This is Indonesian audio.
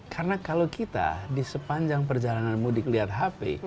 karena kalau kita di sepanjang perjalanan mudik lihat hp